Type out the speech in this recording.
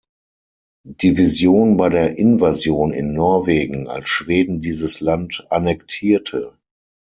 Division bei der Invasion in Norwegen, als Schweden dieses Land annektierte.